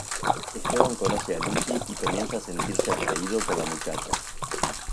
Esteban conoce a Lucy y comienza a sentirse atraído por la muchacha.